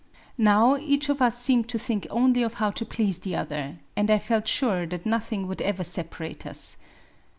Now each of us seemed to think only of how to please the other; and I felt sure that nothing would ever separate us.